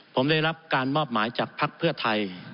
ผมได้รับการมอบหมายจากภักดิ์เพื่อไทย